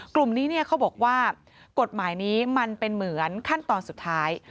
กลุ่มนี้เขาบอกว่ากฎหมายนี้มันเป็นเหมือนขั้นตอนสุดท้าย